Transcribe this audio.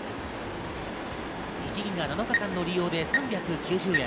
１ギガ７日間の利用で３９０円。